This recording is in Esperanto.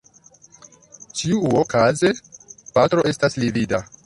Ĉiuokaze, Patro estas livida.